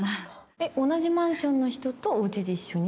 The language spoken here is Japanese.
え同じマンションの人とおうちで一緒に？